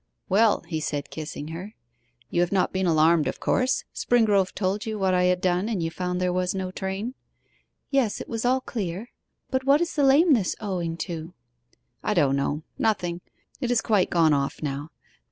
'Well,' he said, kissing her, 'you have not been alarmed, of course. Springrove told you what I had done, and you found there was no train?' 'Yes, it was all clear. But what is the lameness owing to?' 'I don't know nothing. It has quite gone off now...